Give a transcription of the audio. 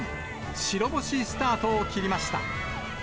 白星スタートを切りました。